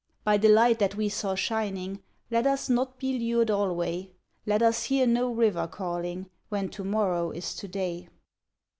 By the light that we saw shinii^, Let us not be lured alway; Let us hear no River calling When to morrow is to day."